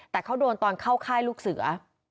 แต่เขาโดนตอนเข้าค่ายลูกเสือ